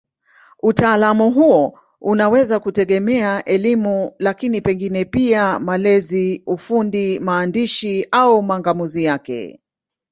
Utaalamu huo unaweza kutegemea elimu, lakini pengine pia malezi, ufundi, maandishi au mang'amuzi yake.